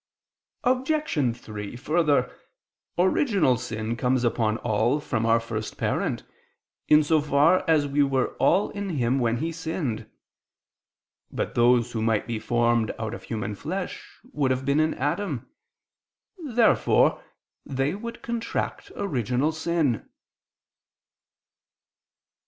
Obj. 3: Further, original sin comes upon all from our first parent, in so far as we were all in him when he sinned. But those who might be formed out of human flesh, would have been in Adam. Therefore they would contract original sin.